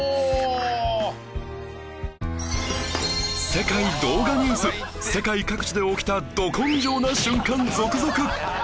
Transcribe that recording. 『世界動画ニュース』世界各地で起きたド根性な瞬間続々！